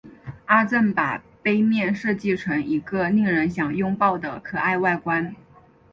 阿正把杯面设计成一个令人想拥抱的可爱外观。